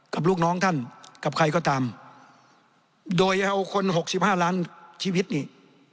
ลูกน้องท่านกับใครก็ตามโดยเอาคนหกสิบห้าล้านชีวิตนี่